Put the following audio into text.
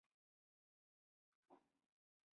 د معنوي په مديريت ايراني او روسي پانګې.